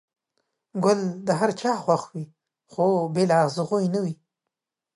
گل د هر چا خوښ وي.